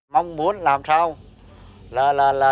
mong muốn làm sao